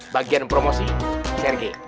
bagian promosi sergei